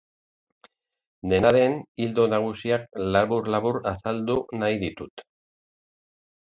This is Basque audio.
Dena den, ildo nagusiak labur-labur azaldu nahi ditut.